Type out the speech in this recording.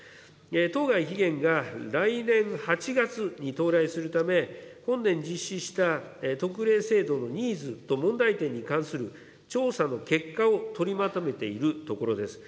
当該期限が来年８月に到来するため、本年実施した特例制度のニーズと問題点に関する調査の結果を取りまとめているところです。